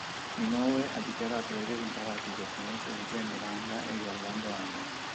Inoue ha dichiarato di aver imparato il giapponese leggendo manga e guardando anime.